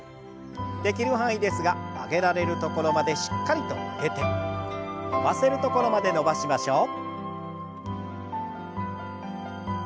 できる範囲ですが曲げられるところまでしっかりと曲げて伸ばせるところまで伸ばしましょう。